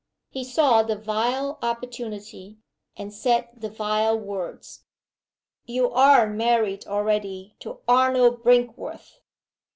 He saw the vile opportunity, and said the vile words. "You're married already to Arnold Brinkworth."